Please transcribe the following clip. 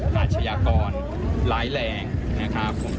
มาให้กำลังใจไปเรื่อย